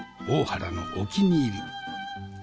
大原のお気に入り。